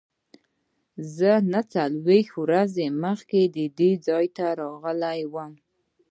زه نهه څلوېښت ورځې مخکې دې ځای ته راغلی وم.